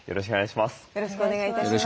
よろしくお願いします。